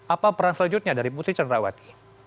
apa peran selanjutnya dari putri cenrawati